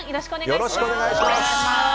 よろしくお願いします。